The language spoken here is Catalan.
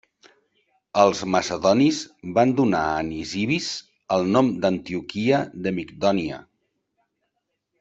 Els macedonis van donar a Nisibis el nom d'Antioquia de Migdònia.